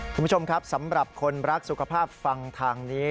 คุณผู้ชมครับสำหรับคนรักสุขภาพฟังทางนี้